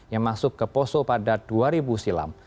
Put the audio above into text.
yang masuk ke poso pada dua ribu silam